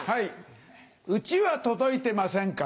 うちわ届いてませんか？